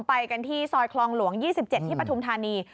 ไปกันที่ซอยคลองหลวง๒๗ที่ปฐุมธานี